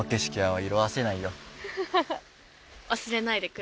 忘れないでくれる？